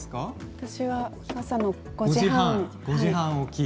私は朝の５時半。